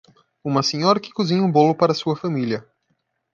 Uma senhora que cozinha um bolo para sua família.